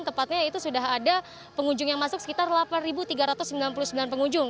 tepatnya itu sudah ada pengunjung yang masuk sekitar delapan tiga ratus sembilan puluh sembilan pengunjung